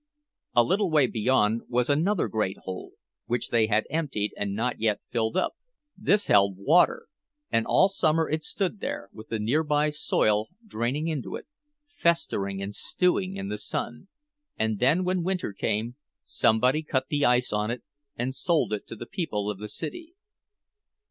A little way beyond was another great hole, which they had emptied and not yet filled up. This held water, and all summer it stood there, with the near by soil draining into it, festering and stewing in the sun; and then, when winter came, somebody cut the ice on it, and sold it to the people of the city.